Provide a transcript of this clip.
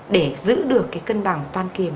để giữ được cái cân bằng toan kiến